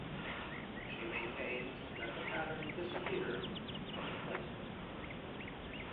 She maintains that the pattern disappeared from the plate.